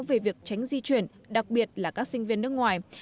về việc tránh di chuyển đặc biệt là các sinh viên nước ngoài